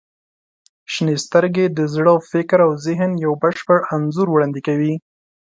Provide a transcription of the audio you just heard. • شنې سترګې د زړه، فکر او ذهن یو بشپړ انځور وړاندې کوي.